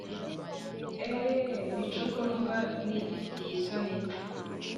eeeh mico ko numva nifitiye isoni